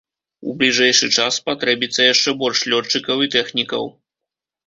У бліжэйшы час спатрэбіцца яшчэ больш лётчыкаў і тэхнікаў.